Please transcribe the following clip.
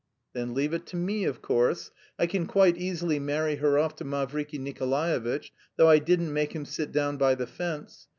'" "Then, leave it to me, of course. I can quite easily marry her off to Mavriky Nikolaevitch, though I didn't make him sit down by the fence.